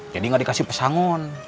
jadi gak dikasih pesangon